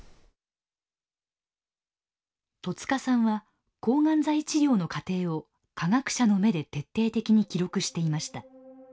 戸塚さんは抗がん剤治療の過程を科学者の目で徹底的に記録していました。